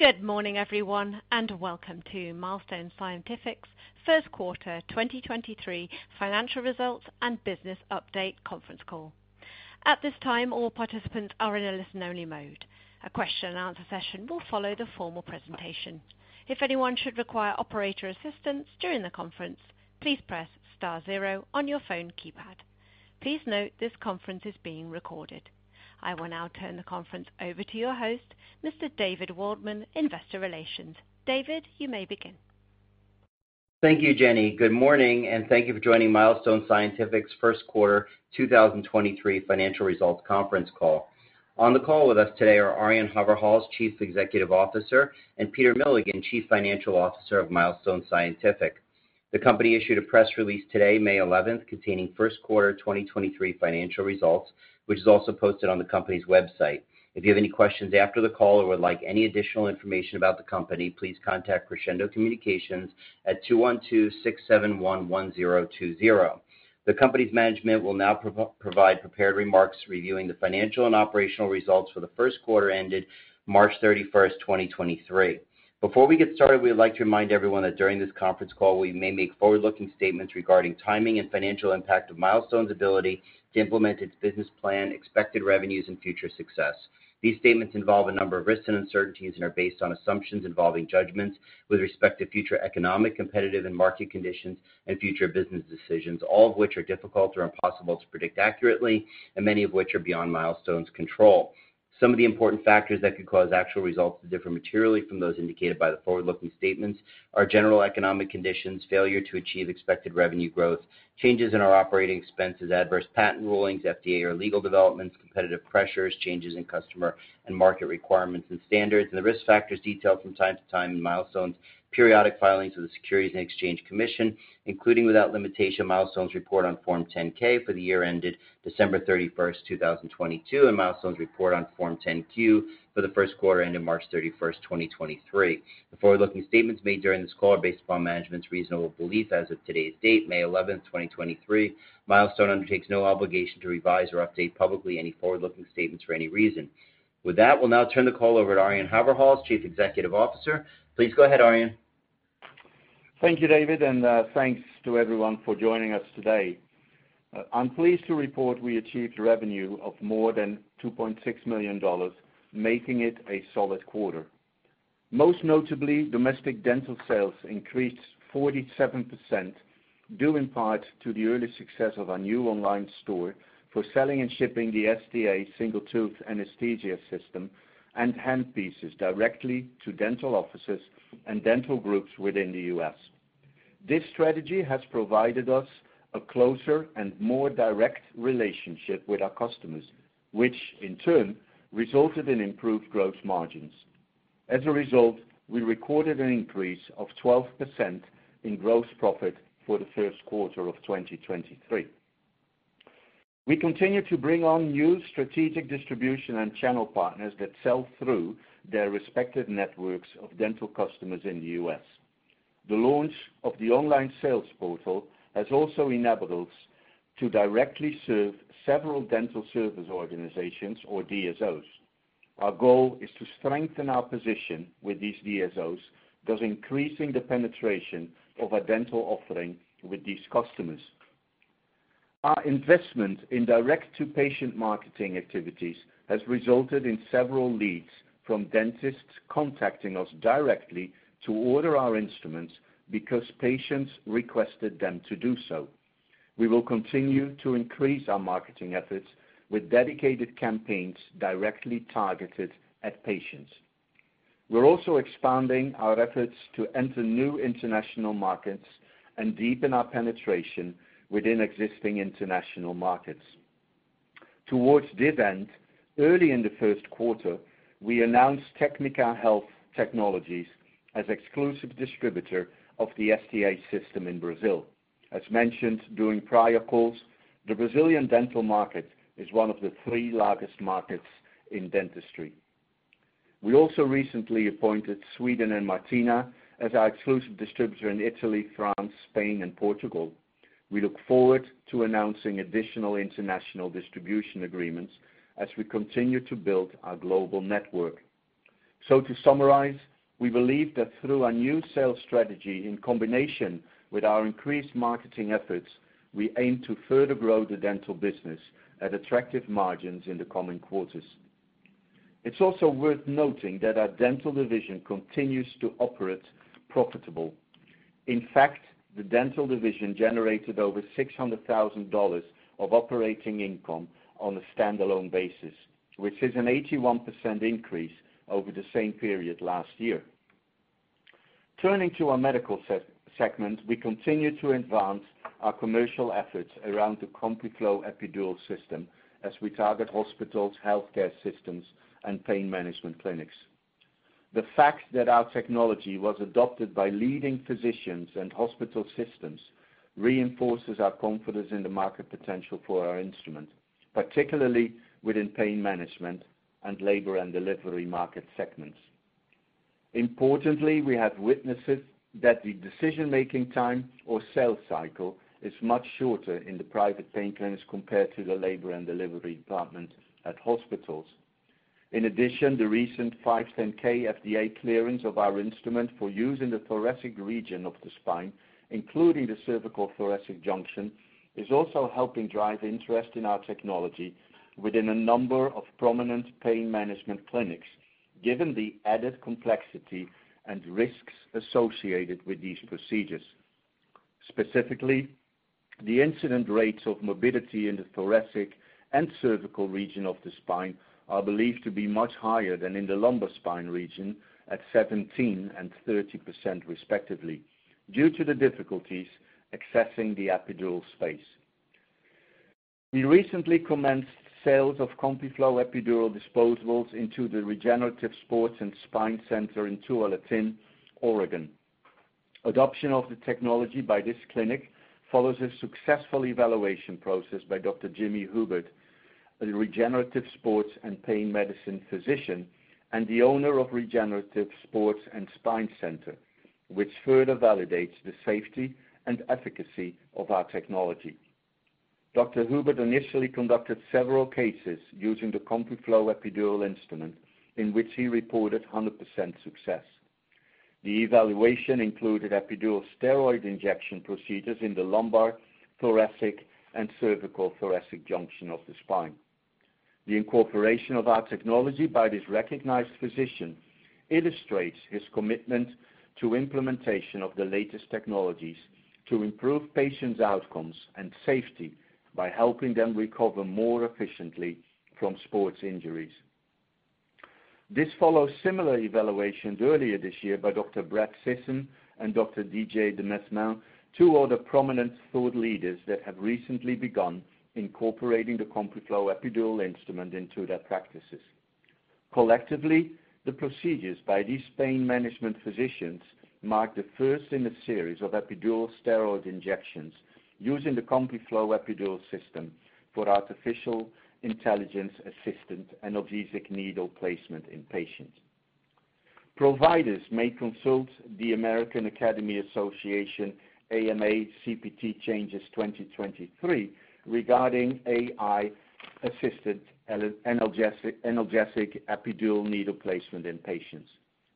Good morning, everyone, and welcome to Milestone Scientific's Q1 2023 financial results and business update conference call. At this time, all participants are in a listen-only mode. A Q&A session will follow the formal presentation. If anyone should require operator assistance during the conference, please press star zero on your phone keypad. Please note this conference is being recorded. I will now turn the conference over to your host, Mr. David Waldman, Investor Relations. David, you may begin. Thank you, Jenny. Good morning, and thank you for joining Milestone Scientific's Q1 2023 financial results conference call. On the call with us today are Arjan Haverhals, Chief Executive Officer, and Peter Milligan, Chief Financial Officer of Milestone Scientific. The company issued a press release today, May 11, containing Q1 2023 financial results, which is also posted on the company's website. If you have any questions after the call or would like any additional information about the company, please contact Crescendo Communications at 212-671-1020. The company's management will now provide prepared remarks reviewing the financial and operational results for the Q1 ended March 31, 2023. Before we get started, we would like to remind everyone that during this conference call, we may make forward-looking statements regarding timing and financial impact of Milestone's ability to implement its business plan, expected revenues, and future success. These statements involve a number of risks and uncertainties and are based on assumptions involving judgments with respect to future economic, competitive, and market conditions and future business decisions, all of which are difficult or impossible to predict accurately and many of which are beyond Milestone's control. Some of the important factors that could cause actual results to differ materially from those indicated by the forward-looking statements are general economic conditions, failure to achieve expected revenue growth, changes in our operating expenses, adverse patent rulings, FDA or legal developments, competitive pressures, changes in customer and market requirements and standards, and the risk factors detailed from time to time in Milestone's periodic filings of the Securities and Exchange Commission, including, without limitation, Milestone's report on Form 10-K for the year ended December 31, 2022, and Milestone's report on Form 10-Q for the Q1 ended March 31, 2023. The forward-looking statements made during this call are based upon management's reasonable belief as of today's date, May 11, 2023. Milestone undertakes no obligation to revise or update publicly any forward-looking statements for any reason. With that, we'll now turn the call over to Arjan Haverhals, Chief Executive Officer. Please go ahead, Arjan. Thank you, David, and thanks to everyone for joining us today. I'm pleased to report we achieved revenue of more than $2.6 million, making it a solid quarter. Most notably, domestic dental sales increased 47% due in part to the early success of our new online store for selling and shipping the STA Single Tooth Anesthesia System and handpieces directly to dental offices and dental groups within the U.S. This strategy has provided us a closer and more direct relationship with our customers, which in turn resulted in improved gross margins. As a result, we recorded an increase of 12% in gross profit for the Q1 of 2023. We continue to bring on new strategic distribution and channel partners that sell through their respective networks of dental customers in the U.S. The launch of the online sales portal has also enabled us to directly serve several dental service organizations or DSOs. Our goal is to strengthen our position with these DSOs, thus increasing the penetration of our dental offering with these customers. Our investment in direct-to-patient marketing activities has resulted in several leads from dentists contacting us directly to order our instruments because patients requested them to do so. We will continue to increase our marketing efforts with dedicated campaigns directly targeted at patients. We're also expanding our efforts to enter new international markets and deepen our penetration within existing international markets. Towards this end, early in the Q1, we announced TEKMIKA Health Technologies as exclusive distributor of the STA system in Brazil. As mentioned during prior calls, the Brazilian dental market is one of the 3 largest markets in dentistry. We also recently appointed Sweden & Martina as our exclusive distributor in Italy, France, Spain, and Portugal. We look forward to announcing additional international distribution agreements as we continue to build our global network. To summarize, we believe that through our new sales strategy in combination with our increased marketing efforts, we aim to further grow the dental business at attractive margins in the coming quarters. It's also worth noting that our dental division continues to operate profitable. In fact, the dental division generated over $600,000 of operating income on a standalone basis, which is an 81% increase over the same period last year. Turning to our medical segment, we continue to advance our commercial efforts around the CompuFlo Epidural System as we target hospitals, healthcare systems, and pain management clinics. The fact that our technology was adopted by leading physicians and hospital systems reinforces our confidence in the market potential for our instrument, particularly within pain management and labor and delivery market segments. Importantly, we have witnessed it that the decision-making time or sales cycle is much shorter in the private pain clinics compared to the labor and delivery department at hospitals. In addition, the recent 510(k) FDA clearance of our instrument for use in the thoracic region of the spine, including the cervicothoracic junction, is also helping drive interest in our technology within a number of prominent pain management clinics, given the added complexity and risks associated with these procedures. Specifically, the incident rates of morbidity in the thoracic and cervical region of the spine are believed to be much higher than in the lumbar spine region at 17% and 30% respectively due to the difficulties accessing the epidural space. We recently commenced sales of CompuFlo epidural disposables into the Regenerative Sports and Spine Center in Tualatin, Oregon. Adoption of the technology by this clinic follows a successful evaluation process by Dr. Jimmy Huebert, a regenerative sports and pain medicine physician, and the owner of Regenerative Sports and Spine Center, which further validates the safety and efficacy of our technology. Dr. Huebert initially conducted several cases using the CompuFlo epidural instrument, in which he reported 100% success. The evaluation included epidural steroid injection procedures in the lumbar, thoracic, and cervicothoracic junction of the spine. The incorporation of our technology by this recognized physician illustrates his commitment to implementation of the latest technologies to improve patients' outcomes and safety by helping them recover more efficiently from sports injuries. This follows similar evaluations earlier this year by Dr. Brett DeMille and Dr. DJ Demesma, 2 other prominent thought leaders that have recently begun incorporating the CompuFlo Epidural instrument into their practices. Collectively, the procedures by these pain management physicians mark the first in a series of epidural steroid injections using the CompuFlo Epidural System for artificial intelligence assistant analgesic needle placement in patients. Providers may consult the American Medical Association AMA CPT Changes 2023 regarding AI-assisted analgesic epidural needle placement in patients.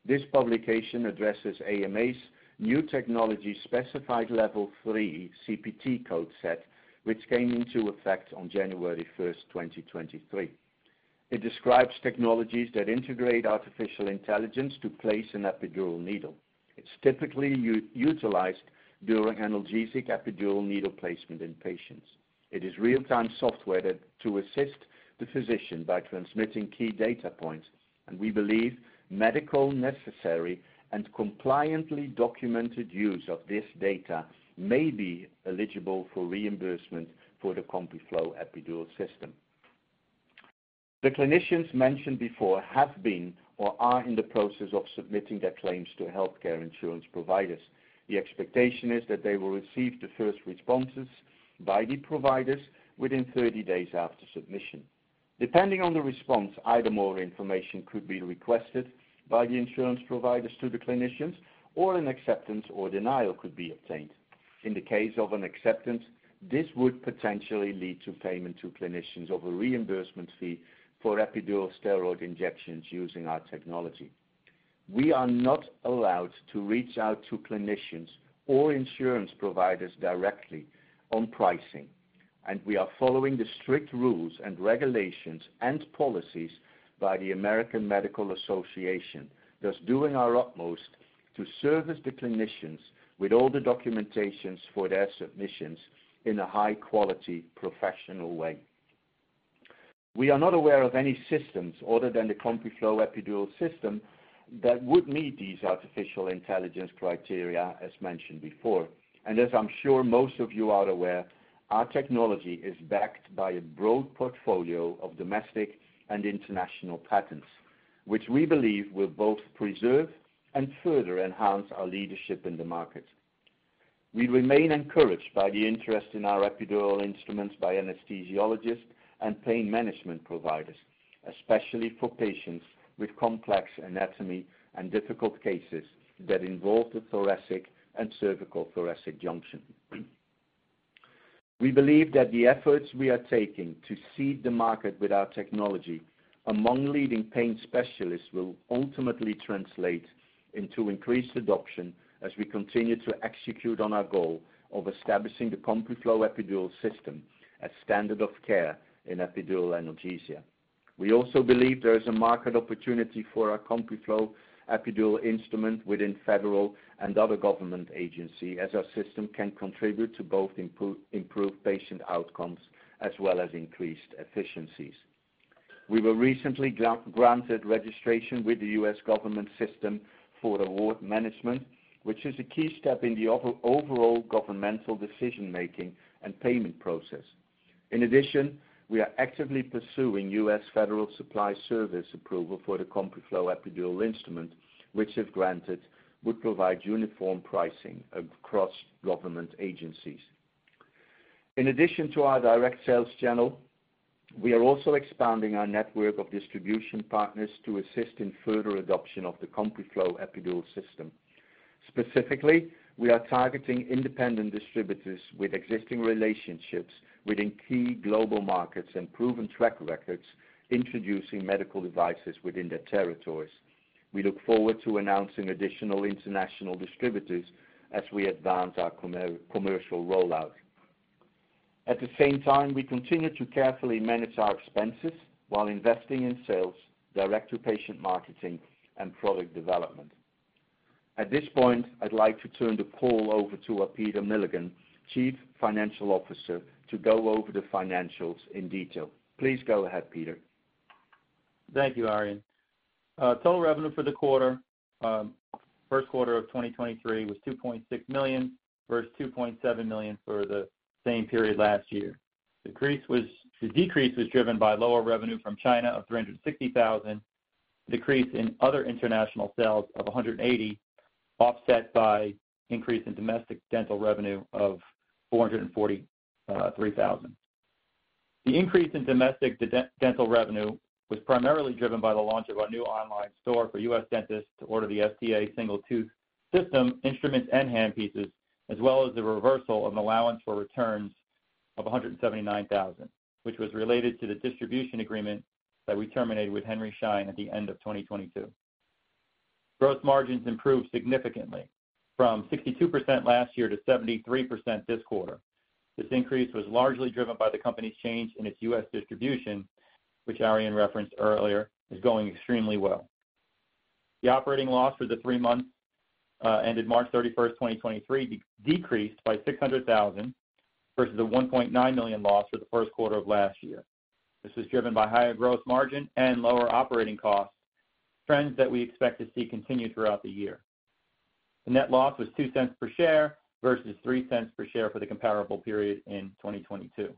This publication addresses AMA's new technology specified level 3 CPT code set, which came into effect on January 1st, 2023. It describes technologies that integrate artificial intelligence to place an epidural needle. It's typically utilized during analgesic epidural needle placement in patients. It is real-time software to assist the physician by transmitting key data points, and we believe medical necessary and compliantly documented use of this data may be eligible for reimbursement for the CompuFlo Epidural System. The clinicians mentioned before have been or are in the process of submitting their claims to healthcare insurance providers. The expectation is that they will receive the first responses by the providers within 30 days after submission. Depending on the response, either more information could be requested by the insurance providers to the clinicians or an acceptance or denial could be obtained. In the case of an acceptance, this would potentially lead to payment to clinicians of a reimbursement fee for epidural steroid injections using our technology. We are not allowed to reach out to clinicians or insurance providers directly on pricing, and we are following the strict rules and regulations and policies by the American Medical Association, thus doing our utmost to service the clinicians with all the documentations for their submissions in a high-quality, professional way. We are not aware of any systems other than the CompuFlo Epidural System that would meet these artificial intelligence criteria, as mentioned before. As I'm sure most of you are aware, our technology is backed by a broad portfolio of domestic and international patents, which we believe will both preserve and further enhance our leadership in the market. We remain encouraged by the interest in our epidural instruments by anesthesiologists and pain management providers, especially for patients with complex anatomy and difficult cases that involve the thoracic and cervicothoracic junction. We believe that the efforts we are taking to seed the market with our technology among leading pain specialists will ultimately translate into increased adoption as we continue to execute on our goal of establishing the CompuFlo Epidural System as standard of care in epidural analgesia. We also believe there is a market opportunity for our CompuFlo Epidural instrument within federal and other government agency, as our system can contribute to both improved patient outcomes as well as increased efficiencies. We were recently granted registration with the U.S. government System for Award Management, which is a key step in the overall governmental decision-making and payment process. In addition, we are actively pursuing U.S. Federal Supply Service approval for the CompuFlo Epidural instrument, which if granted, would provide uniform pricing across government agencies. In addition to our direct sales channel, we are also expanding our network of distribution partners to assist in further adoption of the CompuFlo Epidural System. Specifically, we are targeting independent distributors with existing relationships within key global markets and proven track records, introducing medical devices within their territories. We look forward to announcing additional international distributors as we advance our commercial rollout. At the same time, we continue to carefully manage our expenses while investing in sales, direct-to-patient marketing, and product development. At this point, I'd like to turn the call over to Peter Milligan, Chief Financial Officer, to go over the financials in detail. Please go ahead, Peter. Thank you, Arjan. Total revenue for the quarter, Q1 of 2023 was $2.6 million versus $2.7 million for the same period last year. The decrease was driven by lower revenue from China of $360,000, decrease in other international sales of $180,000, offset by increase in domestic dental revenue of $443,000. The increase in domestic dental revenue was primarily driven by the launch of our new online store for U.S. dentists to order the STA Single Tooth system, instruments, and handpieces, as well as the reversal of an allowance for returns of $179,000, which was related to the distribution agreement that we terminated with Henry Schein at the end of 2022. Gross margins improved significantly from 62% last year to 73% this quarter. This increase was largely driven by the company's change in its U.S. distribution, which Arjan referenced earlier, is going extremely well. The operating loss for the 3 months ended March 31, 2023, decreased by $600,000 versus a $1.9 million loss for the Q1 of last year. This was driven by higher gross margin and lower operating costs, trends that we expect to see continue throughout the year. The net loss was $0.02 per share versus $0.03 per share for the comparable period in 2022.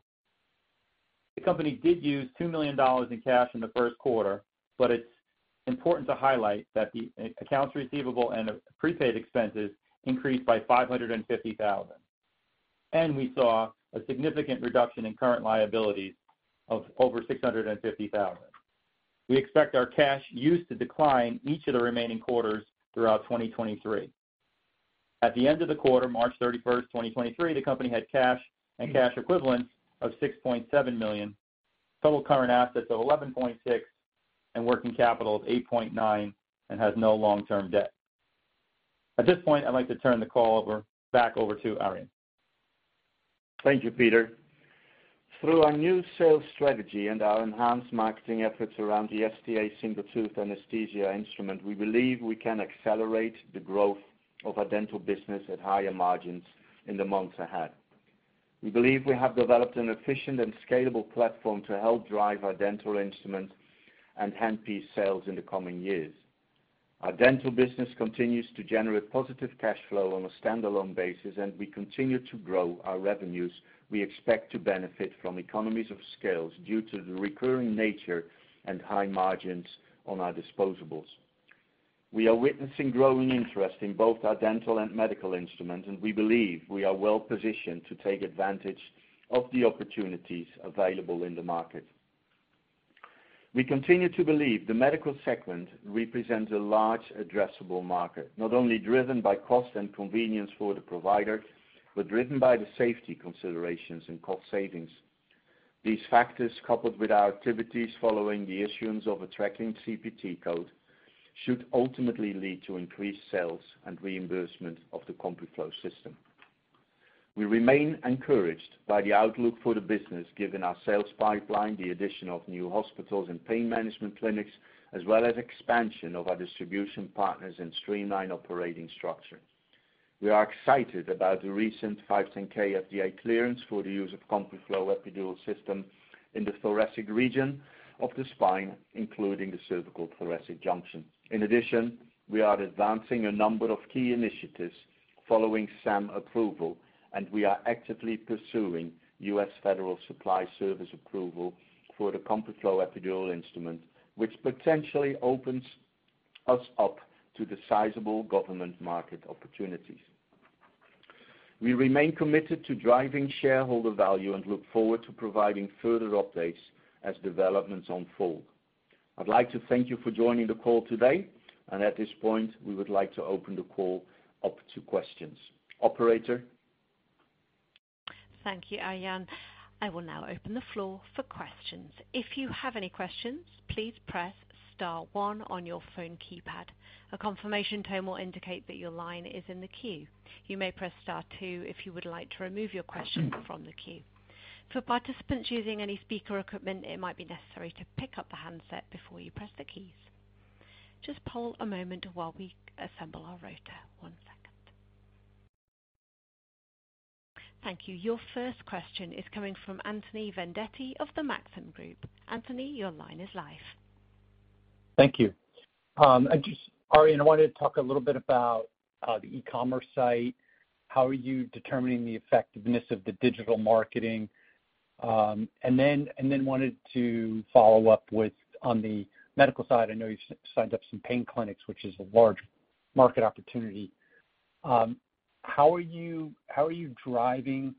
The company did use $2 million in cash in the Q1, it's important to highlight that the accounts receivable and prepaid expenses increased by $550,000. We saw a significant reduction in current liabilities of over $650,000. We expect our cash use to decline each of the remaining quarters throughout 2023. At the end of the quarter, March 31st, 2023, the company had cash and cash equivalents of $6.7 million, total current assets of $11.6 million, and working capital of $8.9 million, and has no long-term debt. At this point, I'd like to turn the call over, back over to Arjan. Thank you, Peter. Through our new sales strategy and our enhanced marketing efforts around the STA Single Tooth Anesthesia instrument, we believe we can accelerate the growth of our dental business at higher margins in the months ahead. We believe we have developed an efficient and scalable platform to help drive our dental instruments and handpiece sales in the coming years. Our dental business continues to generate positive cash flow on a standalone basis, and we continue to grow our revenues. We expect to benefit from economies of scale due to the recurring nature and high margins on our disposables. We are witnessing growing interest in both our dental and medical instruments, and we believe we are well-positioned to take advantage of the opportunities available in the market. We continue to believe the medical segment represents a large addressable market, not only driven by cost and convenience for the provider, but driven by the safety considerations and cost savings. These factors, coupled with our activities following the issuance of a tracking CPT code, should ultimately lead to increased sales and reimbursement of the CompuFlo system. We remain encouraged by the outlook for the business, given our sales pipeline, the addition of new hospitals and pain management clinics, as well as expansion of our distribution partners and streamlined operating structure. We are excited about the recent 510(k) FDA clearance for the use of CompuFlo Epidural System in the thoracic region of the spine, including the cervicothoracic junction. In addition, we are advancing a number of key initiatives following SAM approval, and we are actively pursuing U.S. Federal Supply Service approval for the CompuFlo epidural instrument, which potentially opens us up to the sizable government market opportunities. We remain committed to driving shareholder value and look forward to providing further updates as developments unfold. I'd like to thank you for joining the call today, and at this point, we would like to open the call up to questions. Operator? Thank you, Arjan. I will now open the floor for questions. If you have any questions, please press star one on your phone keypad. A confirmation tone will indicate that your line is in the queue. You may press star 2 if you would like to remove your question from the queue. For participants using any speaker equipment, it might be necessary to pick up the handset before you press the keys. Just hold a moment while we assemble our rota. One second. Thank you. Your first question is coming from Anthony Vendetti of the Maxim Group. Anthony, your line is live. Thank you. Arjan, I wanted to talk a little bit about the e-commerce site. How are you determining the effectiveness of the digital marketing? Wanted to follow up with, on the medical side, I know you signed up some pain clinics, which is a large market opportunity. How are you driving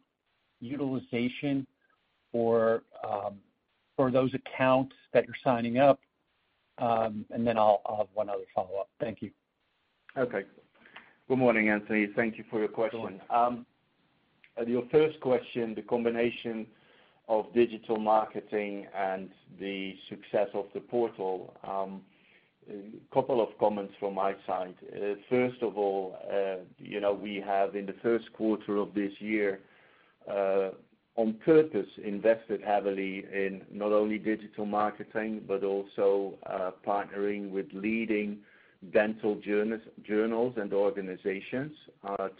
utilization for those accounts that you're signing up? I'll have one other follow-up. Thank you. Okay. Good morning, Anthony. Thank you for your question. Sure. Your first question, the combination of digital marketing and the success of the portal, couple of comments from my side. First of all, you know, we have, in the Q1 of this year, on purpose, invested heavily in not only digital marketing, but also, partnering with leading dental journals and organizations,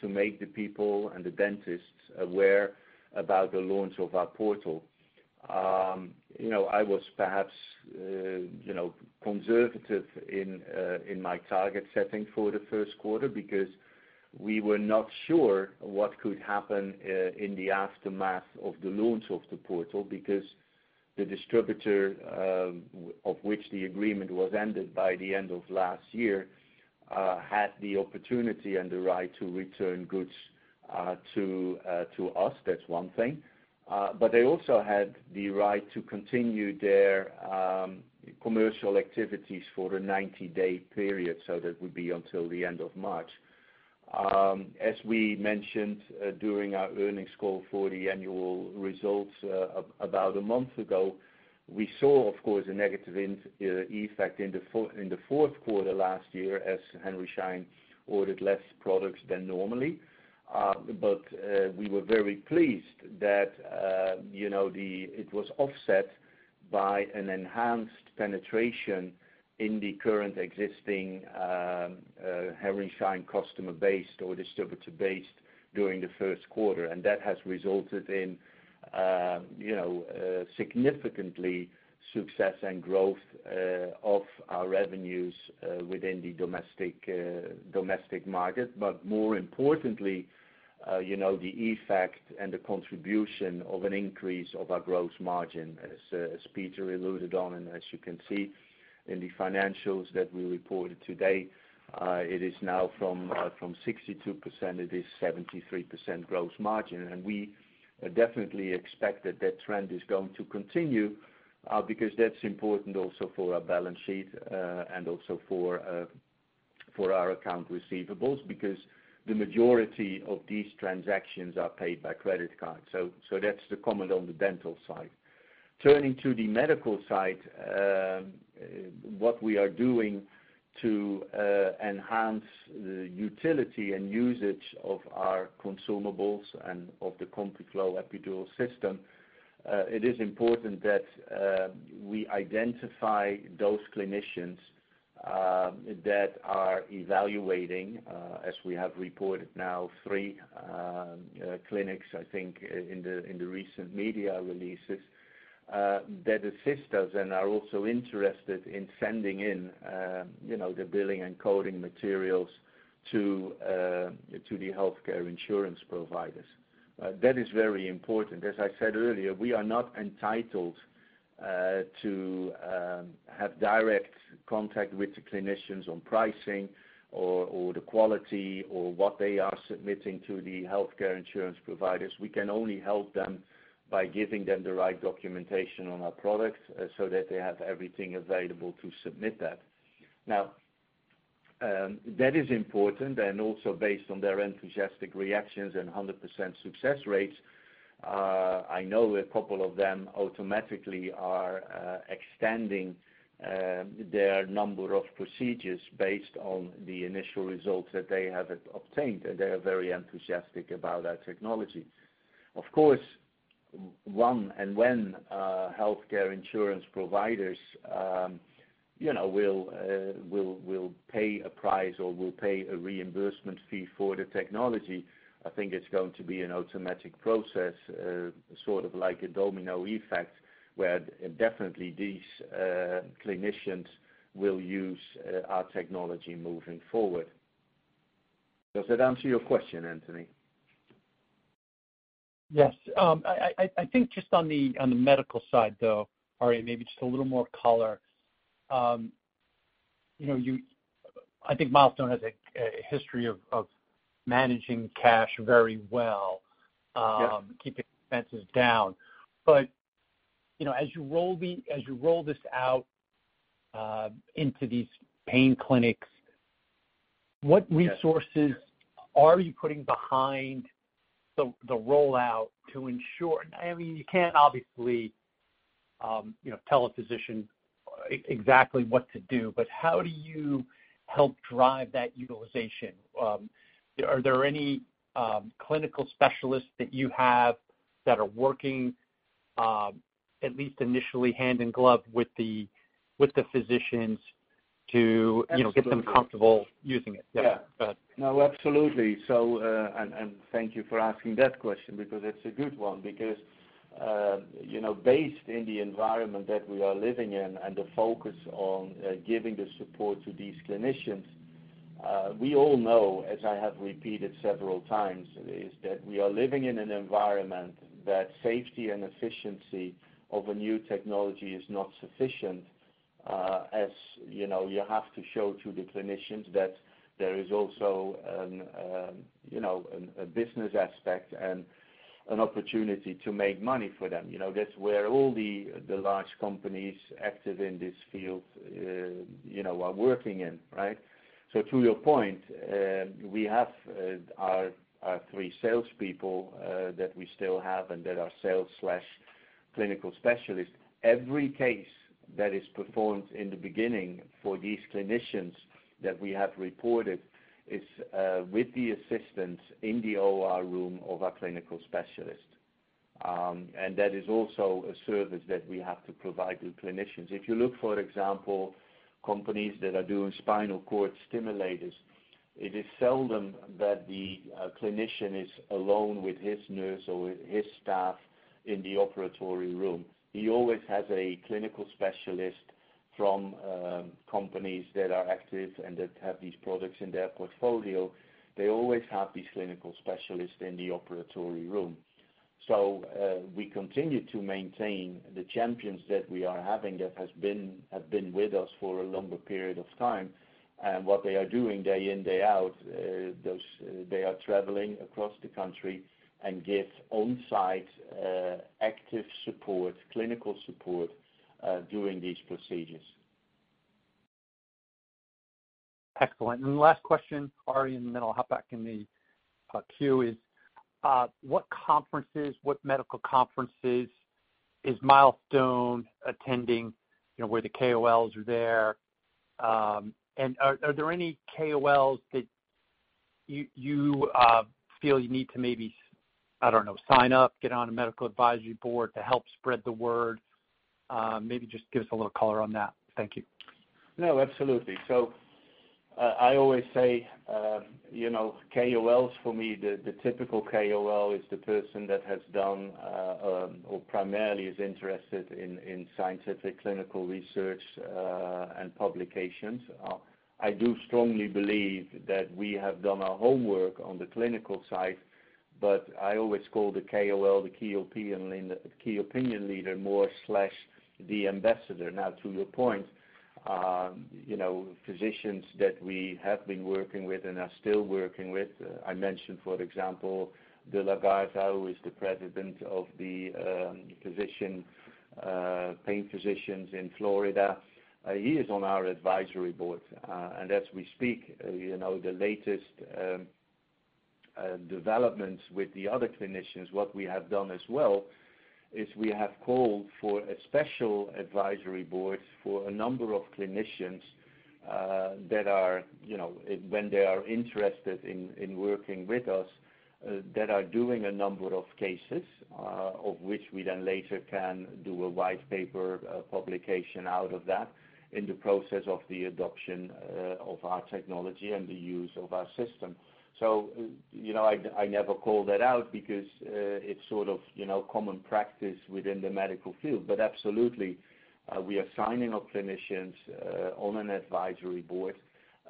to make the people and the dentists aware about the launch of our portal. You know, I was perhaps, you know, conservative in my target setting for the Q1 because we were not sure what could happen in the aftermath of the launch of the portal. The distributor, of which the agreement was ended by the end of last year, had the opportunity and the right to return goods to us. That's one thing. They also had the right to continue their commercial activities for a 90-day period, so that would be until the end of March. As we mentioned during our earnings call for the annual results about a month ago, we saw, of course, a negative effect in the Q4 last year, as Henry Schein ordered less products than normally. We were very pleased that, you know, it was offset by an enhanced penetration in the current existing Henry Schein customer base or distributor base during the Q1. That has resulted in, you know, significantly success and growth of our revenues within the domestic domestic market. More importantly, you know, the effect and the contribution of an increase of our gross margin, as Peter alluded on, and as you can see in the financials that we reported today, it is now from 62%, it is 73% gross margin. We definitely expect that that trend is going to continue, because that's important also for our balance sheet, and also for our account receivables, because the majority of these transactions are paid by credit card. That's the comment on the dental side. Turning to the medical side, what we are doing to enhance the utility and usage of our consumables and of the CompuFlo Epidural System, it is important that we identify those clinicians that are evaluating, as we have reported now, 3 clinics, I think, in the recent media releases, that assist us and are also interested in sending in, you know, the billing and coding materials to the healthcare insurance providers. That is very important. As I said earlier, we are not entitled to have direct contact with the clinicians on pricing or the quality or what they are submitting to the healthcare insurance providers. We can only help them by giving them the right documentation on our products so that they have everything available to submit that. That is important, and also based on their enthusiastic reactions and 100% success rates, I know a couple of them automatically are extending their number of procedures based on the initial results that they have obtained. They are very enthusiastic about our technology. When healthcare insurance providers, you know, will pay a price or will pay a reimbursement fee for the technology, I think it's going to be an automatic process, sort of like a domino effect, where definitely these clinicians will use our technology moving forward. Does that answer your question, Anthony? Yes. I think just on the medical side, though, Arie, maybe just a little more color. You know, I think Milestone has a history of managing cash very well... Yeah. keeping expenses down. You know, as you roll this out into these pain clinics. Yes. What resources are you putting behind the rollout to ensure... I mean, you can't obviously, you know, tell a physician exactly what to do, but how do you help drive that utilization? Are there any clinical specialists that you have that are working, at least initially hand in glove with the, with the physicians to... Absolutely. you know, get them comfortable using it? Yeah. Uh. No, absolutely. And thank you for asking that question because it's a good one. Because, you know, based in the environment that we are living in and the focus on giving the support to these clinicians. We all know, as I have repeated several times, is that we are living in an environment that safety and efficiency of a new technology is not sufficient, as you know, you have to show to the clinicians that there is also, you know, a business aspect and an opportunity to make money for them. You know, that's where all the large companies active in this field, you know, are working in, right? To your point, we have our 3 salespeople that we still have and that are sales/clinical specialists. Every case that is performed in the beginning for these clinicians that we have reported is with the assistance in the OR room of our clinical specialist. That is also a service that we have to provide to clinicians. If you look, for example, companies that are doing spinal cord stimulators, it is seldom that the clinician is alone with his nurse or with his staff in the operatory room. He always has a clinical specialist from companies that are active and that have these products in their portfolio. They always have these clinical specialists in the operatory room. We continue to maintain the champions that we are having that have been with us for a longer period of time. What they are doing day in, day out, they are traveling across the country and give on-site, active support, clinical support, during these procedures. Excellent. Last question, Arie, then I'll hop back in the queue, is what conferences, what medical conferences is Milestone attending, you know, where the KOLs are there? Are there any KOLs that you feel you need to maybe, I don't know, sign up, get on a medical advisory board to help spread the word? Maybe just give us a little color on that. Thank you. Absolutely. I always say, you know, KOLs for me, the typical KOL is the person that has done or primarily is interested in scientific clinical research and publications. I do strongly believe that we have done our homework on the clinical side, but I always call the KOL, the key opinion leader more/the ambassador. To your point, you know, physicians that we have been working with and are still working with, I mentioned, for example, De La Garza, who is the President of the physician pain physicians in Florida. He is on our advisory board. As we speak, you know, the latest developments with the other clinicians, what we have done as well, is we have called for a special advisory board for a number of clinicians that are, you know, when they are interested in working with us, that are doing a number of cases, of which we then later can do a white paper publication out of that in the process of the adoption of our technology and the use of our system. So, you know, I never call that out because it's sort of, you know, common practice within the medical field. But absolutely, we are signing up clinicians on an advisory board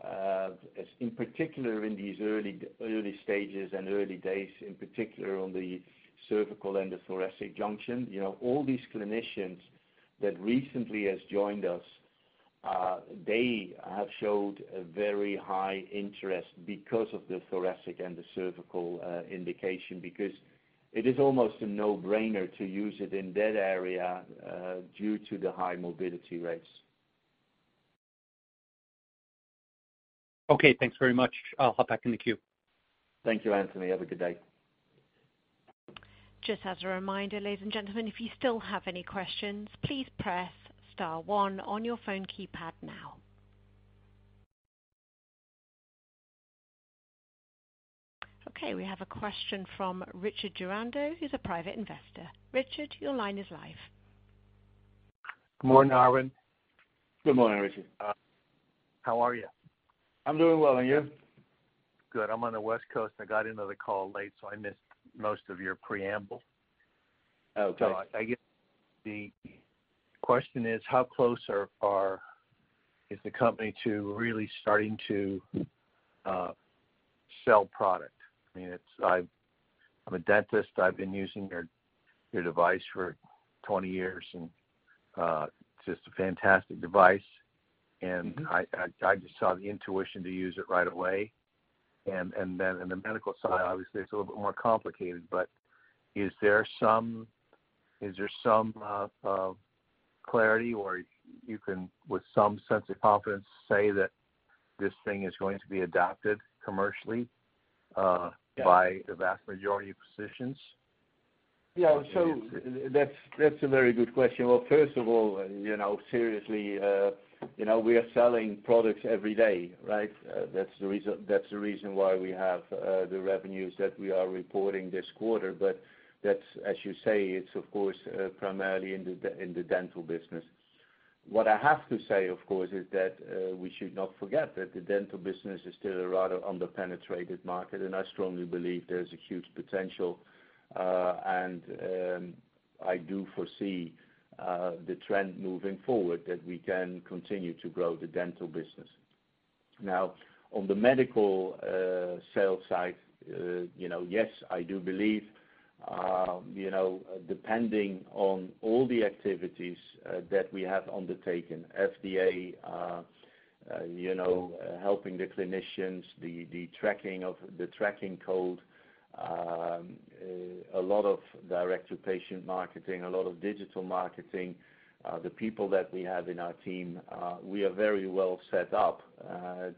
as in particular in these early stages and early days, in particular on the cervical and the cervicothoracic junction. You know, all these clinicians that recently has joined us, they have showed a very high interest because of the thoracic and the cervical indication, because it is almost a no-brainer to use it in that area, due to the high morbidity rates. Thanks very much. I'll hop back in the queue. Thank you, Anthony. Have a good day. Just as a reminder, ladies and gentlemen, if you still have any questions, please press star one on your phone keypad now. Okay, we have a question from Richard Gerando. He's a private investor. Richard, your line is live. Good morning, Arjan. Good morning, Richard. How are you? I'm doing well. You? Good. I'm on the West Coast, and I got into the call late, so I missed most of your preamble. Okay. I guess the question is, how close is the company to really starting to sell product? I mean, I'm a dentist. I've been using your device for 20 years, just a fantastic device. Mm-hmm. I just saw the intuition to use it right away. Then in the medical side, obviously, it's a little bit more complicated. Is there some clarity or you can, with some sense of confidence, say that this thing is going to be adopted commercially? Yeah. by the vast majority of physicians? That's a very good question. Well, first of all, you know, seriously, you know, we are selling products every day, right? That's the reason why we have the revenues that we are reporting this quarter. That's, as you say, it's of course, primarily in the dental business. What I have to say, of course, is that, we should not forget that the dental business is still a rather under-penetrated market, and I strongly believe there's a huge potential, and I do foresee the trend moving forward, that we can continue to grow the dental business. Now, on the medical sales side, you know, yes, I do believe, you know, depending on all the activities that we have undertaken, FDA, you know, helping the clinicians, the tracking code, a lot of direct to patient marketing, a lot of digital marketing, the people that we have in our team, we are very well set up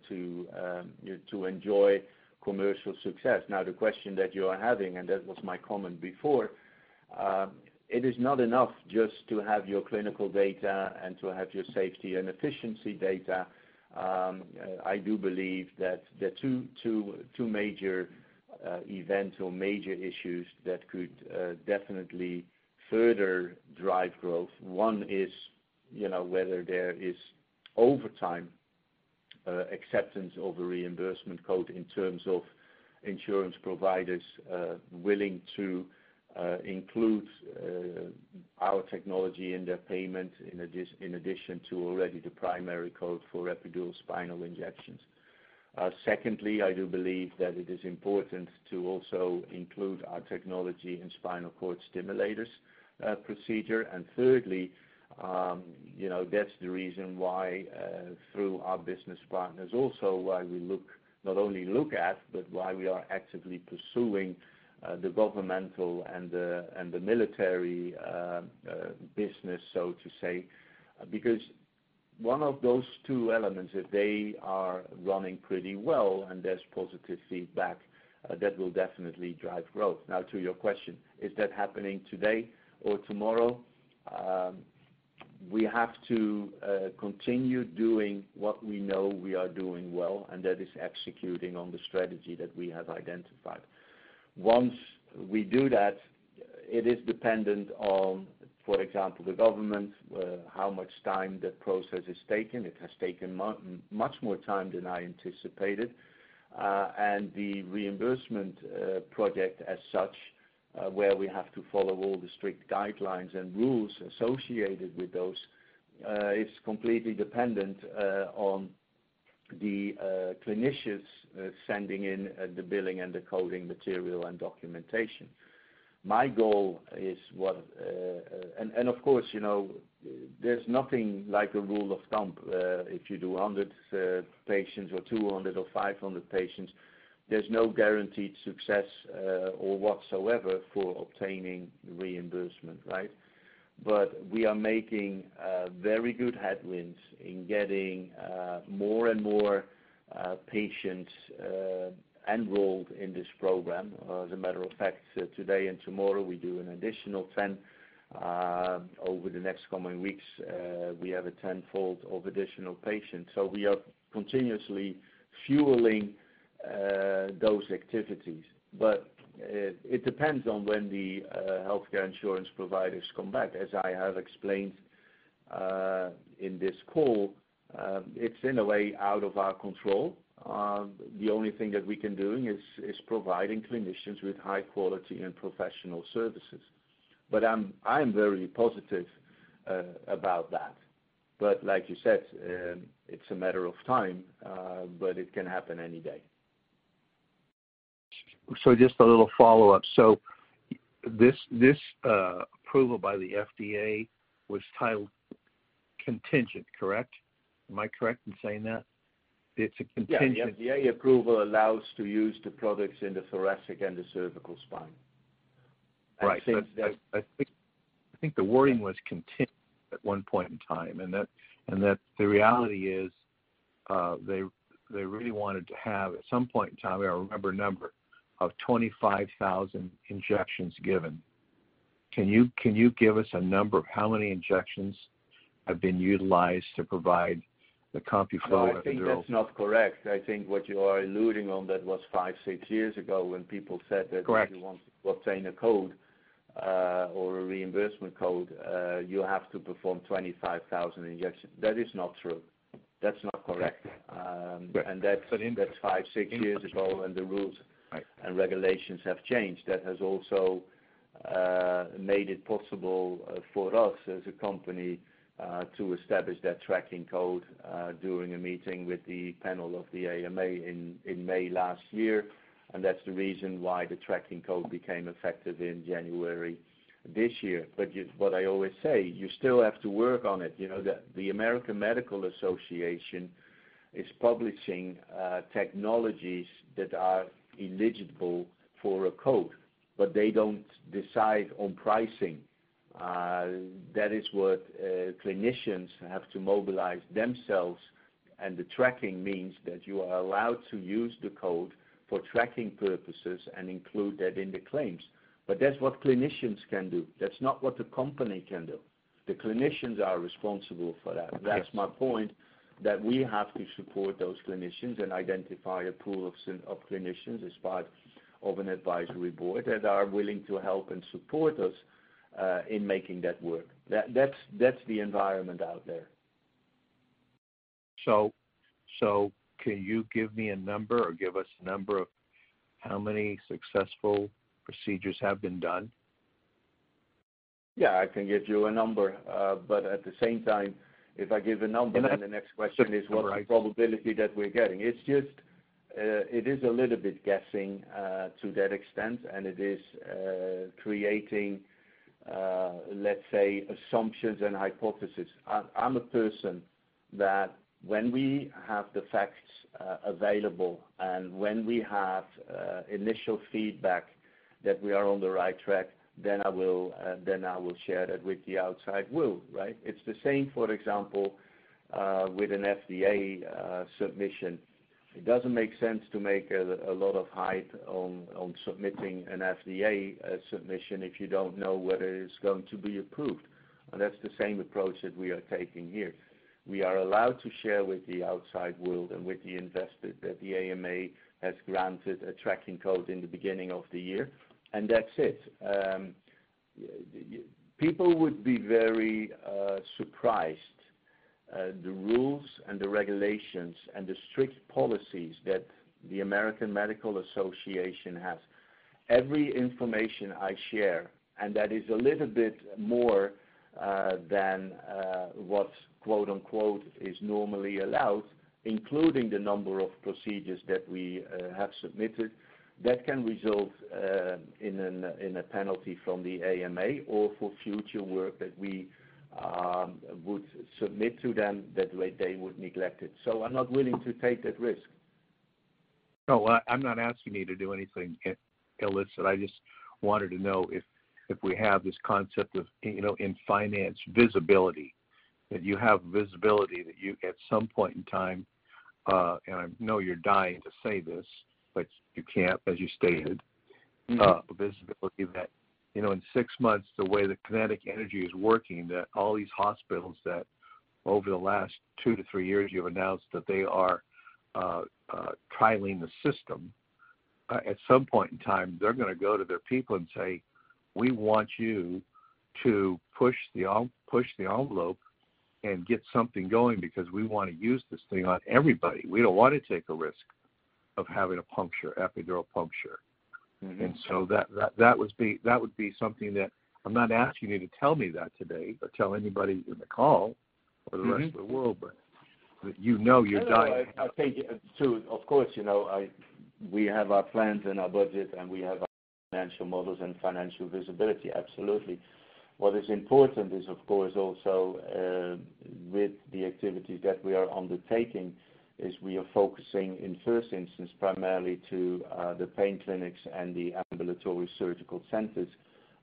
to enjoy commercial success. The question that you are having, and that was my comment before, it is not enough just to have your clinical data and to have your safety and efficiency data. I do believe that the 2 major events or major issues that could definitely further drive growth, one is, you know, whether there is over time acceptance of a reimbursement code in terms of insurance providers willing to include our technology in their payment, in addition to already the primary code for epidural spinal injections. Secondly, I do believe that it is important to also include our technology in spinal cord stimulators procedure. Thirdly, you know, that's the reason why through our business partners also why we look, not only look at, but why we are actively pursuing the governmental and the and the military business, so to say. One of those 2 elements, if they are running pretty well and there's positive feedback, that will definitely drive growth. To your question, is that happening today or tomorrow? We have to continue doing what we know we are doing well, and that is executing on the strategy that we have identified. Once we do that, it is dependent on, for example, the government, how much time the process has taken. It has taken much more time than I anticipated. The reimbursement project as such, where we have to follow all the strict guidelines and rules associated with those, is completely dependent on the clinicians sending in the billing and the coding material and documentation. My goal is what. Of course, you know, there's nothing like a rule of thumb. If you do 100 patients or 200 or 500 patients, there's no guaranteed success or whatsoever for obtaining reimbursement, right? We are making very good headwinds in getting more and more patients enrolled in this program. As a matter of fact, today and tomorrow, we do an additional 10. Over the next coming weeks, we have a 10-fold of additional patients. We are continuously fueling those activities. It depends on when the healthcare insurance providers come back. As I have explained in this call, it's in a way out of our control. The only thing that we can doing is providing clinicians with high quality and professional services. I'm very positive about that. Like you said, it's a matter of time, but it can happen any day. Just a little follow-up. This approval by the FDA was titled contingent, correct? Am I correct in saying that? Yeah. Yeah. The approval allows to use the products in the thoracic and the cervical spine. Right. I think the wording was contingent at one point in time, and that the reality is, they really wanted to have, at some point in time, I remember a number, of 25,000 injections given. Can you give us a number of how many injections have been utilized to provide the CompuFlo Epidural-? No, I think that's not correct. I think what you are alluding on, that was 5, 6 years ago when people said that- Correct... if you want to obtain a code, or a reimbursement code, you have to perform 25,000 injections. That is not true. That's not correct. But in- That's 5, 6 years ago, and the rules- Right and regulations have changed. That has also made it possible for us as a company to establish that tracking code during a meeting with the panel of the AMA in May last year. That's the reason why the tracking code became effective in January this year. What I always say, you still have to work on it. You know, the American Medical Association is publishing technologies that are eligible for a code, but they don't decide on pricing. That is what clinicians have to mobilize themselves. The tracking means that you are allowed to use the code for tracking purposes and include that in the claims. That's what clinicians can do. That's not what the company can do. The clinicians are responsible for that. Okay. That's my point, that we have to support those clinicians and identify a pool of clinicians as part of an advisory board that are willing to help and support us in making that work. That's, that's the environment out there. can you give me a number or give us a number of how many successful procedures have been done? Yeah, I can give you a number. At the same time, if I give a number- You know. The next question is. Right. what's the probability that we're getting. It's just it is a little bit guessing to that extent, and it is creating, let's say, assumptions and hypothesis. I'm a person that when we have the facts available and when we have initial feedback that we are on the right track, then I will then I will share that with the outside world, right? It's the same, for example, with an FDA submission. It doesn't make sense to make a lot of hype on submitting an FDA submission if you don't know whether it's going to be approved. That's the same approach that we are taking here. We are allowed to share with the outside world and with the investor that the AMA has granted a tracking code in the beginning of the year, and that's it. People would be very surprised the rules and the regulations and the strict policies that the American Medical Association has. Every information I share, and that is a little bit more than what's, quote-unquote, "Is normally allowed," including the number of procedures that we have submitted, that can result in a penalty from the AMA or for future work that we would submit to them, that way they would neglect it. I'm not willing to take that risk. No, I'm not asking you to do anything illicit. I just wanted to know if we have this concept of, you know, in finance, visibility. That you have visibility that you, at some point in time, and I know you're dying to say this, but you can't, as you stated. Mm-hmm. Visibility that, you know, in 6 months, the way that Kinetic Energy is working, that all these hospitals that over the last 2 to 3 years you've announced that they are trialing the system, at some point in time, they're gonna go to their people and say, "We want you to push the envelope and get something going because we wanna use this thing on everybody. We don't wanna take a risk of having a puncture, epidural puncture. Mm-hmm. That would be something that I'm not asking you to tell me that today or tell anybody in the call. Mm-hmm. The rest of the world, but you know you're dying. No, no. I take it too. Of course, you know, we have our plans and our budget, we have our financial models and financial visibility, absolutely. What is important is, of course, also, with the activities that we are undertaking, is we are focusing in first instance primarily to the pain clinics and the ambulatory surgical centers.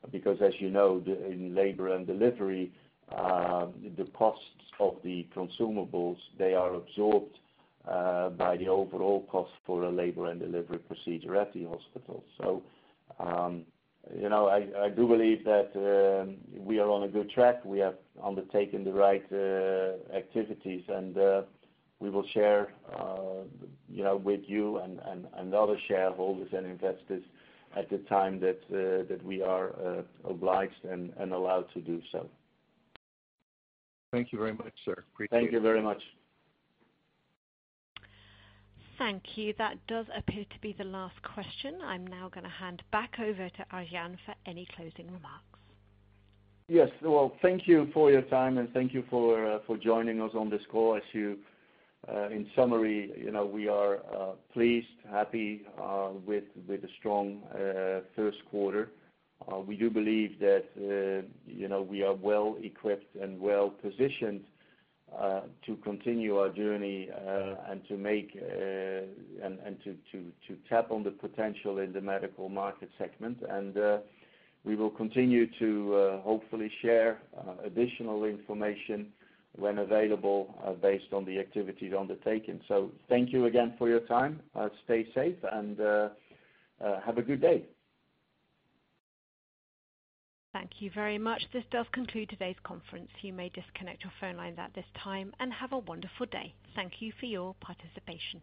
As you know, in labor and delivery, the costs of the consumables, they are absorbed by the overall cost for a labor and delivery procedure at the hospital. You know, I do believe that we are on a good track. We have undertaken the right activities, and we will share, you know, with you and other shareholders and investors at the time that we are obliged and allowed to do so. Thank you very much, sir. Appreciate it. Thank you very much. Thank you. That does appear to be the last question. I'm now gonna hand back over to Arjan for any closing remarks. Yes. Well, thank you for your time, and thank you for joining us on this call. As you, in summary, you know, we are pleased, happy with the strong Q1. We do believe that, you know, we are well-equipped and well-positioned to continue our journey and to make and to tap on the potential in the medical market segment. We will continue to hopefully share additional information when available based on the activities undertaken. Thank you again for your time. Stay safe and have a good day. Thank you very much. This does conclude today's conference. You may disconnect your phone lines at this time, and have a wonderful day. Thank you for your participation.